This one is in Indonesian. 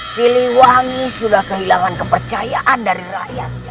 siliwangi sudah kehilangan kepercayaan dari rakyat